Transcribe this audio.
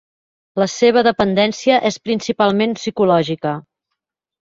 La seva dependència és principalment psicològica.